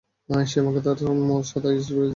সে আমাকে তার সাথে ইয়াসরিবে নিয়ে এল।